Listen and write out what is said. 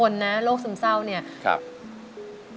อเรนนี่คือเหตุการณ์เริ่มต้นหลอนช่วงแรกแล้วมีอะไรอีก